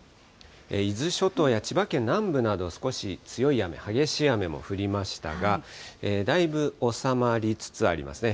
伊豆諸島や千葉県南部など、少し強い雨、激しい雨も降りましたが、だいぶ収まりつつありますね。